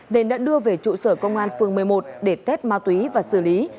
nên đã đưa về trụ sở công an phường một mươi một để test ma túy và xử lý